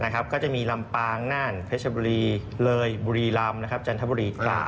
ก็จะมีลำปางน่านเพชรบุรีเลยบุรีรำจันทบุรีตราด